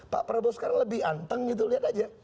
pak prabowo sekarang lebih anteng gitu lihat aja